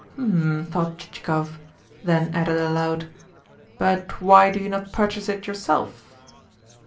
"Hm!" thought Chichikov; then added aloud: "But why do you not purchase it yourself?"